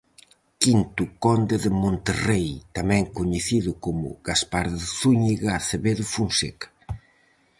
Quinto conde de Monterrei, tamén coñecido como Gaspar de Zúñiga Acevedo Fonseca.